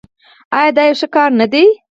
آیا دا یو ښه کار نه دی؟